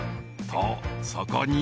［とそこに］